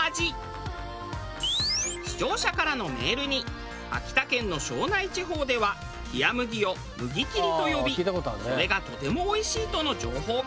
視聴者からのメールに秋田県の庄内地方では冷麦を「麦切り」と呼びそれがとてもおいしいとの情報が。